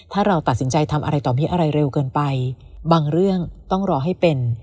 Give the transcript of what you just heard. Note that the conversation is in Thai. ถ้าเราตัดสินใจทำอะไรต่อมีอะไรเร็วเกินไปบางเรื่องต้องรอให้เป็น